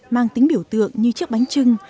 mang tính biểu tượng như chiếc bánh trưng